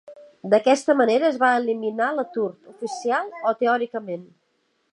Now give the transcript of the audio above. D"aquesta manera, es va eliminar l"atur oficial o teòricament.